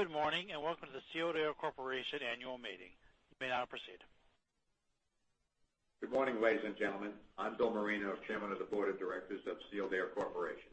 Good morning, welcome to the Sealed Air Corporation Annual Meeting. You may now proceed. Good morning, ladies and gentlemen. I'm Bill Marino, Chairman of the Board of Directors of Sealed Air Corporation.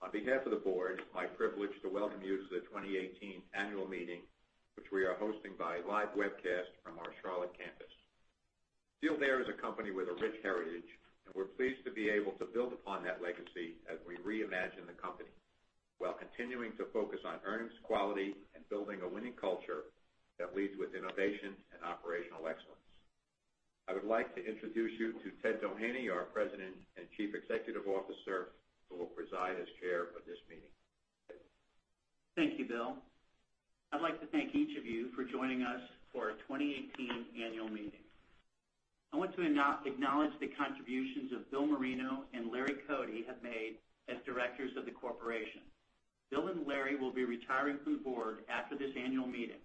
On behalf of the board, it's my privilege to welcome you to the 2018 annual meeting, which we are hosting by live webcast from our Charlotte campus. Sealed Air is a company with a rich heritage, we're pleased to be able to build upon that legacy as we reimagine the company, while continuing to focus on earnings quality and building a winning culture that leads with innovation and operational excellence. I would like to introduce you to Ted Doheny, our President and Chief Executive Officer, who will preside as chair of this meeting. Ted? Thank you, Bill. I'd like to thank each of you for joining us for our 2018 annual meeting. I want to acknowledge the contributions that Bill Marino and Larry Codey have made as directors of the corporation. Bill and Larry will be retiring from the board after this annual meeting.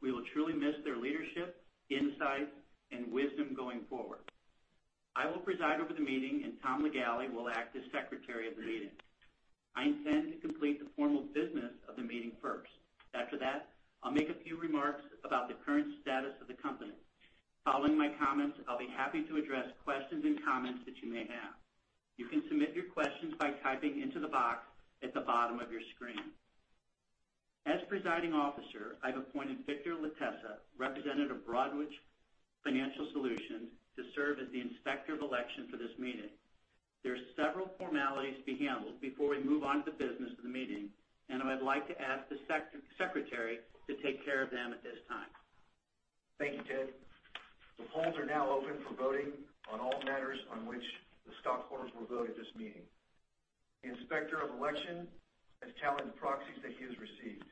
We will truly miss their leadership, insight, and wisdom going forward. I will preside over the meeting, Tom Lagaly will act as secretary of the meeting. I intend to complete the formal business of the meeting first. After that, I'll make a few remarks about the current status of the company. Following my comments, I'll be happy to address questions and comments that you may have. You can submit your questions by typing into the box at the bottom of your screen. As presiding officer, I've appointed Victor Lattesa, representative of Broadridge Financial Solutions, to serve as the inspector of election for this meeting. There are several formalities to be handled before we move on to the business of the meeting, I would like to ask the secretary to take care of them at this time. Thank you, Ted. The polls are now open for voting on all matters on which the stockholders will vote at this meeting. The inspector of election has tallied the proxies that he has received.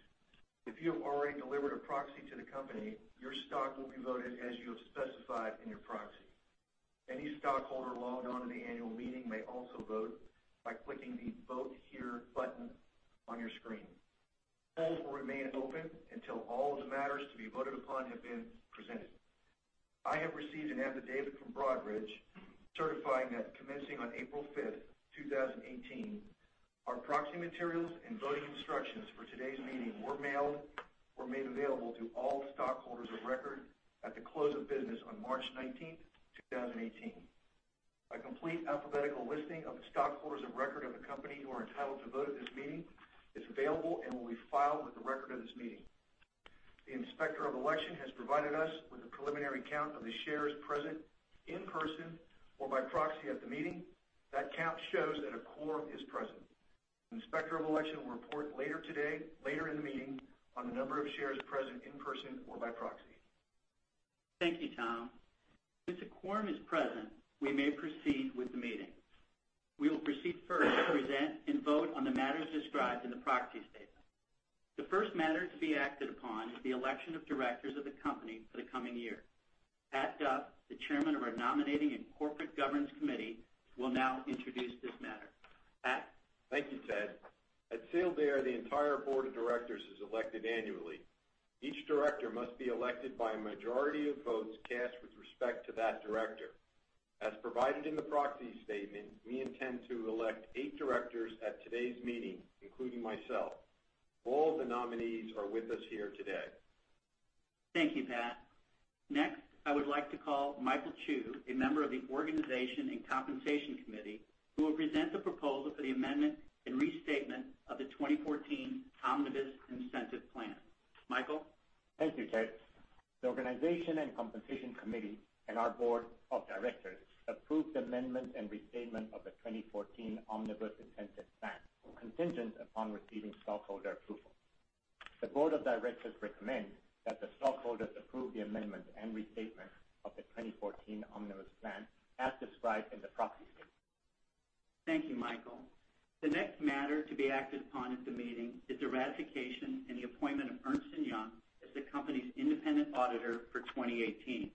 If you have already delivered a proxy to the company, your stock will be voted as you have specified in your proxy. Any stockholder logged on to the annual meeting may also vote by clicking the Vote Here button on your screen. The polls will remain open until all of the matters to be voted upon have been presented. I have received an affidavit from Broadridge certifying that commencing on April 5th, 2018, our proxy materials and voting instructions for today's meeting were mailed or made available to all stockholders of record at the close of business on March 19th, 2018. A complete alphabetical listing of the stockholders of record of the company who are entitled to vote at this meeting is available and will be filed with the record of this meeting. The inspector of election has provided us with a preliminary count of the shares present in person or by proxy at the meeting. That count shows that a quorum is present. The inspector of election will report later in the meeting on the number of shares present in person or by proxy. Thank you, Tom. Since a quorum is present, we may proceed with the meeting. We will proceed first to present and vote on the matters described in the proxy statement. The first matter to be acted upon is the election of directors of the company for the coming year. Patrick Duff, the chairman of our Nominating and Corporate Governance Committee, will now introduce this matter. Pat? Thank you, Ted. At Sealed Air, the entire board of directors is elected annually. Each director must be elected by a majority of votes cast with respect to that director. As provided in the proxy statement, we intend to elect eight directors at today's meeting, including myself. All of the nominees are with us here today. Thank you, Pat. Next, I would like to call Michael Chu, a member of the Organization and Compensation Committee, who will present the proposal for the amendment and restatement of the 2014 Omnibus Incentive Plan. Michael? Thank you, Ted. The Organization and Compensation Committee and our board of directors approved amendment and restatement of the 2014 Omnibus Incentive Plan contingent upon receiving stockholder approval. The board of directors recommends that the stockholders approve the amendment and restatement of the 2014 Omnibus Plan as described in the proxy statement. Thank you, Michael. The next matter to be acted upon at the meeting is the ratification and the appointment of Ernst & Young as the company's independent auditor for 2018.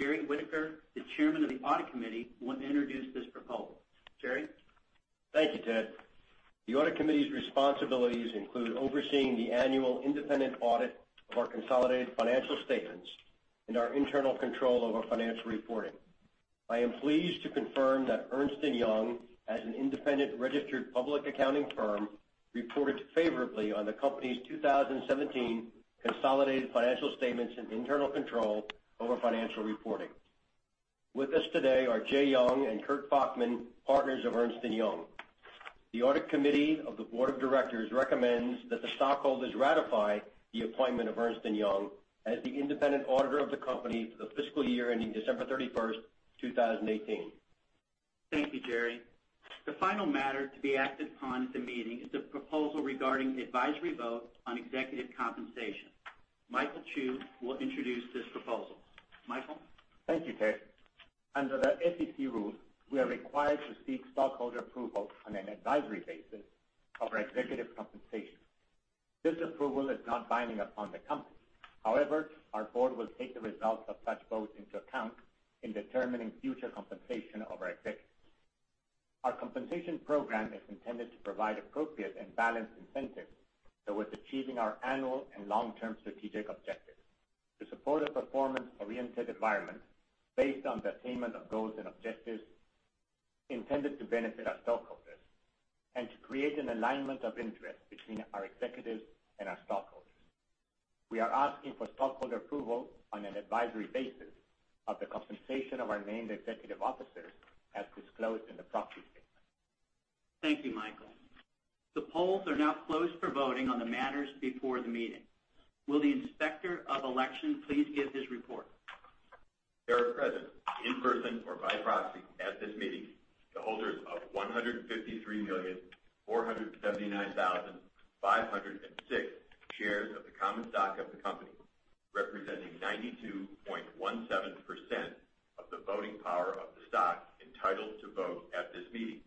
Jerry Whitaker, the chairman of the Audit Committee, will now introduce this proposal. Jerry? Thank you, Ted. The Audit Committee's responsibilities include overseeing the annual independent audit of our consolidated financial statements and our internal control over financial reporting. I am pleased to confirm that Ernst & Young, as an independent registered public accounting firm, reported favorably on the company's 2017 consolidated financial statements and internal control over financial reporting. With us today are Jay Young and Curt Fochtmann, partners of Ernst & Young. The Audit Committee of the board of directors recommends that the stockholders ratify the appointment of Ernst & Young as the independent auditor of the company for the fiscal year ending December 31st, 2018. Thank you, Jerry. The final matter to be acted upon at the meeting is the proposal regarding the advisory vote on executive compensation. Michael Chu will introduce this proposal. Michael? Thank you, Ted. Under the SEC rules, we are required to seek stockholder approval on an advisory basis of our executive compensation. This approval is not binding upon the company. However, our board will take the results of such votes into account in determining future compensation of our executives. Our compensation program is intended to provide appropriate and balanced incentives towards achieving our annual and long-term strategic objectives. To support a performance-oriented environment based on the attainment of goals and objectives intended to benefit our stockholders and to create an alignment of interest between our executives and our stockholders. We are asking for stockholder approval on an advisory basis of the compensation of our named executive officers as disclosed in the proxy statement. Thank you, Michael. The polls are now closed for voting on the matters before the meeting. Will the Inspector of Election please give his report? There are present in person or by proxy at this meeting the holders of 153,479,506 shares of the common stock of the company, representing 92.17% of the voting power of the stock entitled to vote at this meeting.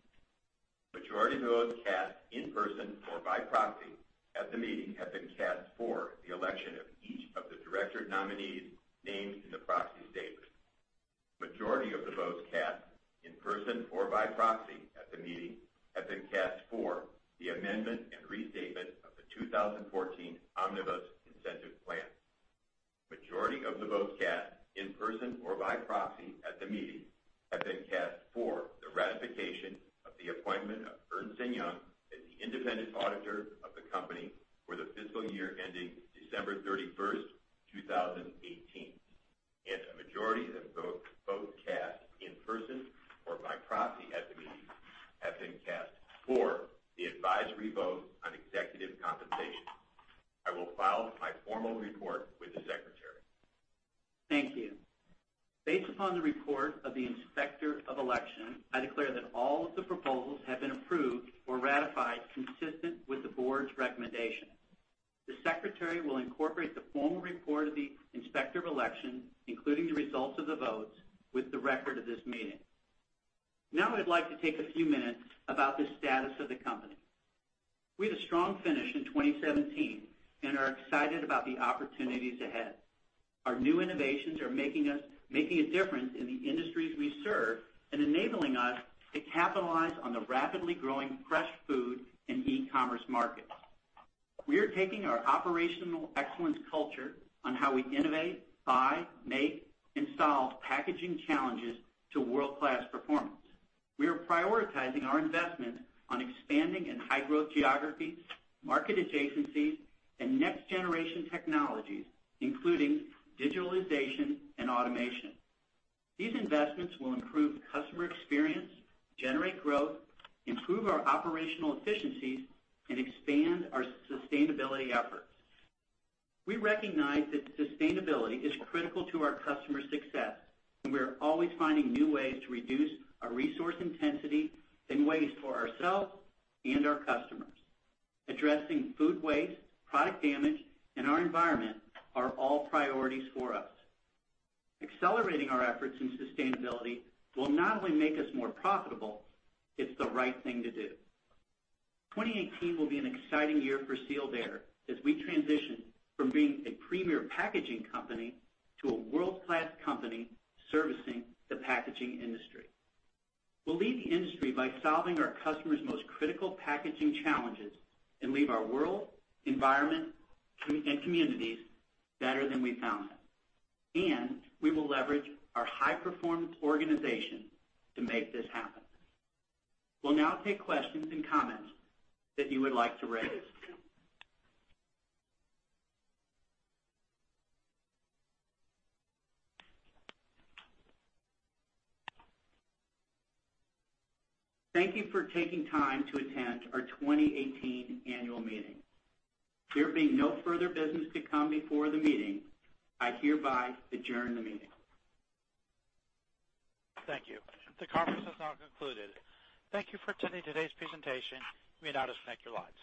Majority of votes cast in person or by proxy at the meeting have been cast for the election of each of the director nominees named in the proxy statement. Majority of the votes cast in person or by proxy at the meeting have been cast for the amendment and restatement of the 2014 Omnibus Incentive Plan. Majority of the votes cast in person or by proxy at the meeting have been cast for the ratification of the appointment of Ernst & Young as the independent auditor of the company for the fiscal year ending December 31st, 2018. A majority of the votes cast in person or by proxy at the meeting have been cast for the advisory vote on executive compensation. I will file my formal report with the secretary. Thank you. Based upon the report of the Inspector of Election, I declare that all of the proposals have been approved or ratified consistent with the board's recommendation. The secretary will incorporate the formal report of the Inspector of Election, including the results of the votes, with the record of this meeting. Now I'd like to take a few minutes about the status of the company. We had a strong finish in 2017 and are excited about the opportunities ahead. Our new innovations are making a difference in the industries we serve and enabling us to capitalize on the rapidly growing fresh food and e-commerce markets. We are taking our operational excellence culture on how we innovate, buy, make, and solve packaging challenges to world-class performance. We are prioritizing our investment on expanding in high-growth geographies, market adjacencies, and next-generation technologies, including digitalization and automation. These investments will improve customer experience, generate growth, improve our operational efficiencies, and expand our sustainability efforts. We recognize that sustainability is critical to our customers' success, and we are always finding new ways to reduce our resource intensity in ways for ourselves and our customers. Addressing food waste, product damage, and our environment are all priorities for us. Accelerating our efforts in sustainability will not only make us more profitable, it's the right thing to do. 2018 will be an exciting year for Sealed Air as we transition from being a premier packaging company to a world-class company servicing the packaging industry. We'll lead the industry by solving our customers' most critical packaging challenges and leave our world, environment, and communities better than we found them. We will leverage our high-performance organization to make this happen. We'll now take questions and comments that you would like to raise. Thank you for taking time to attend our 2018 annual meeting. There being no further business to come before the meeting, I hereby adjourn the meeting. Thank you. The conference has now concluded. Thank you for attending today's presentation. You may now disconnect your lines.